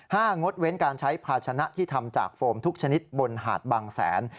งดเว้นการใช้ภาชนะที่ทำจากโฟมทุกชนิดบนหาดบางแสน